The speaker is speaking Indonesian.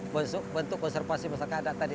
bentuk konservasi masyarakat adat tadi